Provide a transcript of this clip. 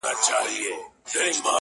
زړه مي در سوځي چي ته هر گړی بدحاله یې~